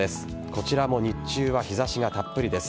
こちらも日中は日差しがたっぷりです。